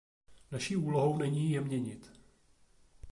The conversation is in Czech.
Naší úlohou není je měnit.